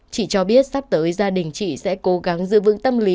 chị cho biết sắp tới gia đình chị sẽ cố gắng giữ vững tâm lý